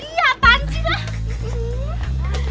iya apaan sih mah